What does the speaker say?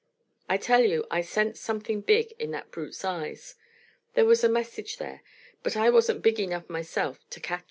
I tell you I sensed something big in that brute's eyes; there was a message there, but I wasn't big enough myself to catch it.